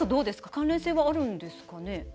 関連性はあるんですかね？